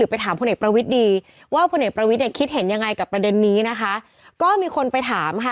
อ่าอ่าอ่าอ่าอ่าอ่าอ่าอ่าอ่าอ่าอ่า